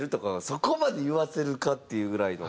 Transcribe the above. そこまで言わせるかっていうぐらいの。